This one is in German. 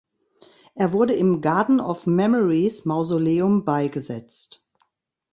Er wurde im Garden of Memories Mausoleum beigesetzt.